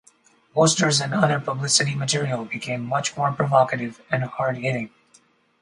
Posters and other publicity material became much more provocative and hard-hitting.